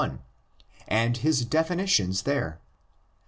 and his definitions there.